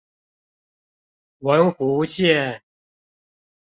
文湖線